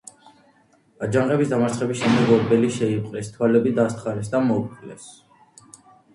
აჯანყების დამარცხების შემდეგ ორბელი შეიპყრეს, თვალები დასთხარეს და მოკლეს.